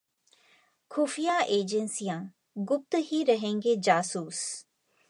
खुफिया एजेंसियां: गुप्त ही रहेंगे जासूस